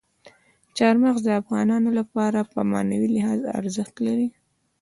چار مغز د افغانانو لپاره په معنوي لحاظ ارزښت لري.